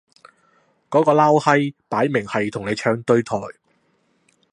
嗰個撈閪擺明係同你唱對台